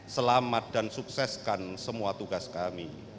selamat dan sukseskan semua tugas kami